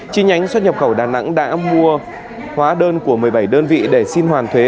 chi nhánh xuất nhập khẩu đà nẵng đã mua hóa đơn của một mươi bảy đơn vị để xin hoàn thuế